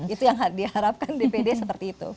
itu yang diharapkan dpd seperti itu